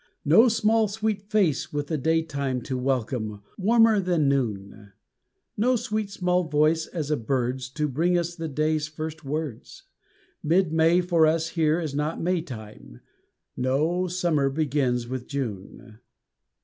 No small sweet face with the daytime To welcome, warmer than noon! No sweet small voice as a bird's To bring us the day's first words! Mid May for us here is not Maytime: No summer begins with June.